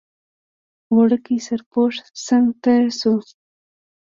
وړوکی سرپوښ څنګ ته شو.